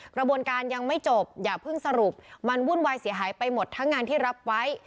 กระบวนการยังไม่จบอย่าเพิ่งสรุปมันวุ่นวายเสียหายไปหมดทั้งงานที่รับไว้